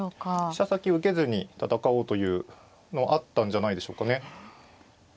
飛車先受けずに戦おうというのあったんじゃないでしょうかね。